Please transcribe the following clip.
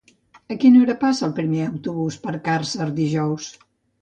A quina hora passa el primer autobús per Càrcer dijous?